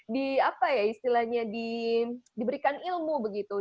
di apa ya istilahnya diberikan ilmu begitu